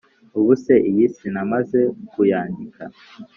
Ubuse iyi sinamaze kuyandika